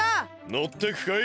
のってくかい？